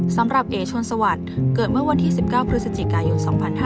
เอ๋ชนสวัสดิ์เกิดเมื่อวันที่๑๙พฤศจิกายน๒๕๕๙